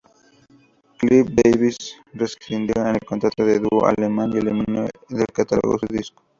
Clive Davis rescindió el contrato al dúo alemán y eliminó del catálogo su disco.